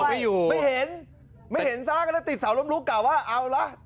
ไม่เห็นไม่เห็นซ้ากันแล้วติดสาวลมลุกกล่าวว่าเอาละ